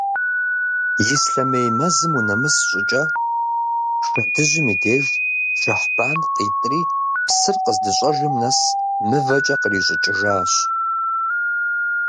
Ислъэмей мэзым унэмыс щӀыкӀэ, Шэдыжьым и деж, Шэхьбан къитӀри, псыр къыздыщӀэжым нэс мывэкӀэ кърищӀыкӀыжащ.